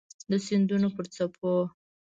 د سیندونو پر څپو